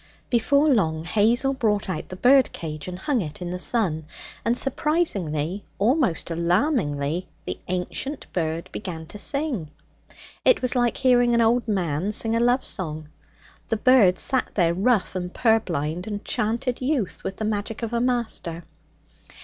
Before long Hazel brought out the bird cage and hung it in the sun. And surprisingly, almost alarmingly, the ancient bird began to sing. It was like hearing an old man sing a love song. The bird sat there, rough and purblind, and chanted youth with the magic of a master.